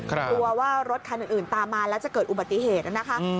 กลัวว่ารถคันอื่นตามมาแล้วจะเกิดอุบัติเหตุนะคะ